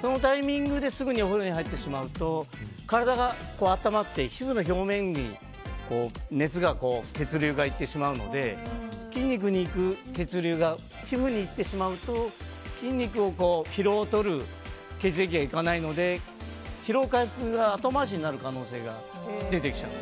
そのタイミングですぐにお風呂に入ってしまうと体が温まって皮膚の表面に熱が血流がいってしまうので筋肉にいく血流が皮膚にいってしまうと筋肉の疲労をとる血液が行かないので疲労回復が後回しになる可能性が出てしまう。